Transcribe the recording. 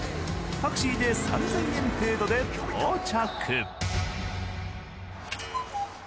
タクシーで３，０００円程度で到着。